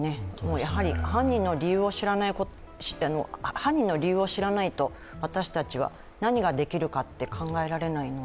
やはり犯人の理由を知らないと私たちは何ができるかって考えられないので。